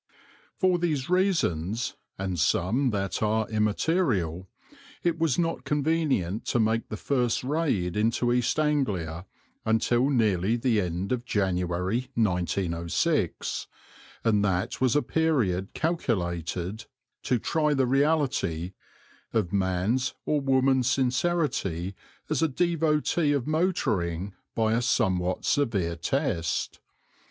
For these reasons, and some that are immaterial, it was not convenient to make the first raid into East Anglia until nearly the end of January, 1906, and that was a period calculated to try the reality of man's or woman's sincerity as a devotee of motoring by a somewhat severe test.